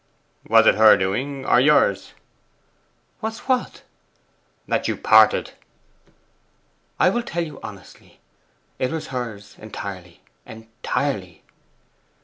'Was it her doing, or yours?' 'Was what?' 'That you parted.' 'I will tell you honestly. It was hers entirely, entirely.